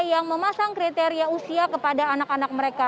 yang memasang kriteria usia kepada anak anak mereka